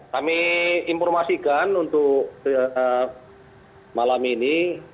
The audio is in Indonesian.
kami informasikan untuk malam ini